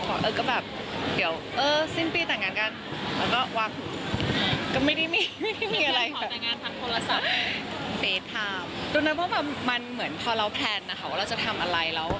เขาก็เลยใส่กระเบาไว้ให้